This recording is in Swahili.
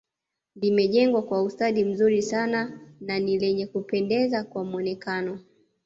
Limejengwa kwa ustadi mzuri sana na ni lenye Kupendeza kwa mwonekano